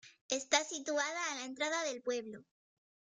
Está situada a la entrada del pueblo.